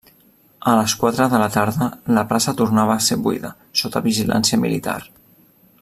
A les quatre de la tarda, la plaça tornava a ser buida, sota vigilància militar.